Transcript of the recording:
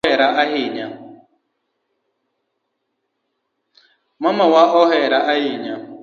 Mamawa ohera ahinya